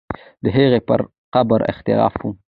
د هغې پر قبر اختلاف وو.